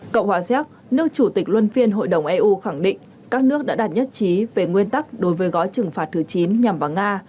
cộng hòa xéc nước chủ tịch luân phiên hội đồng eu khẳng định các nước đã đạt nhất trí về nguyên tắc đối với gói trừng phạt thứ chín nhằm vào nga